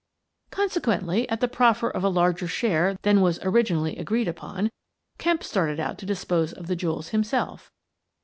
Consequently, at the proffer of a larger share than was originally agreed upon, Kemp started out to dispose of the jewels himself.